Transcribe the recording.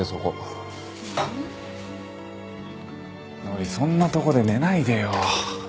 そんなとこで寝ないでよ。